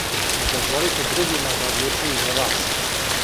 Не дозволите другима да одлучују за вас.